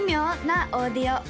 なオーディオ」